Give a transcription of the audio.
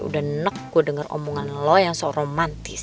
udah nek gue denger omongan lo yang se romantis